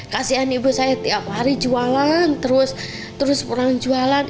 kasian ibu saya tiap hari jualan terus pulang jualan